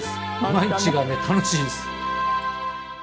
毎日がね楽しいです。